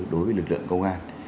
đối với lực lượng công an